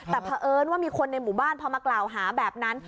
แต่เพราะเอิญว่ามีคนในหมู่บ้านพอมากล่าวหาแบบนั้น